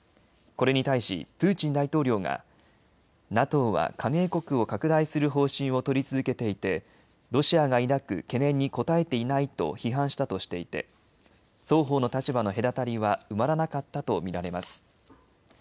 これに対しプーチン大統領がＮＡＴＯは加盟国を拡大する方針を取り続けていてロシアが抱く懸念に応えていないと批判したとしていて双方の立場の隔たりは埋まらなかったと見られます。